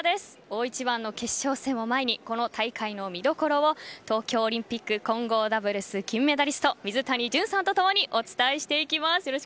大一番の決勝戦を前にこの大会の見どころを東京オリンピック混合ダブルス金メダリスト水谷隼さんとともにお伝えしていきます。